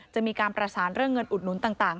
จะมีการประสานเรื่องเงินอุดหนุนต่าง